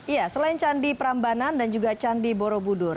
ya selain candi prambanan dan juga candi borobudur